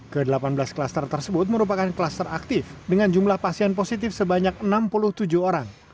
ke delapan belas klaster tersebut merupakan klaster aktif dengan jumlah pasien positif sebanyak enam puluh tujuh orang